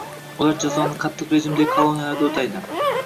Ular jazoni qattiq rejimdagi koloniyalarda o‘taydi